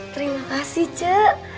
terima kasih cik